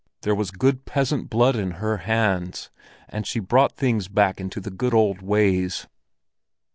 There was good peasant blood in her hands, and she brought things back into the good old ways.